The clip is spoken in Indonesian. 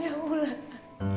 papa ya wulan roman